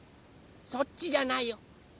そっちじゃないよ。